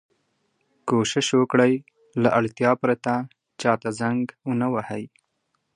کوشش وکړئ! له اړتیا پرته چا ته زنګ و نه وهئ.